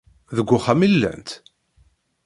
Deg uxxam i llant?